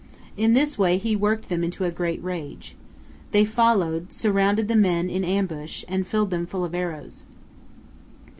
In this way he worked them into a great rage. They followed, surrounded the men in ambush, and filled them full of arrows.